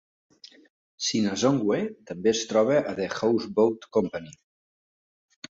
Sinazongwe també es troba a The Houseboat Company.